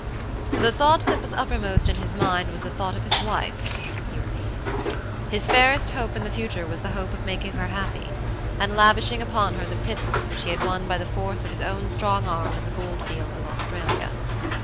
"The thought that was uppermost in his mind was the thought of his wife," he repeated. "His fairest hope in the future was the hope of making her happy, and lavishing upon her the pittance which he had won by the force of his own strong arm in the gold fields of Australia.